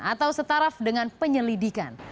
atau setaraf dengan penyelidikan